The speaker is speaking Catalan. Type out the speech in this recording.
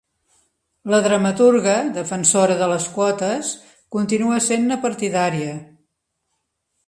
La dramaturga, defensora de les quotes, continua sent-ne partidària.